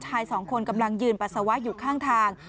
ชายสองคนกำลังยืนปัสสาวะอยู่ข้างทาง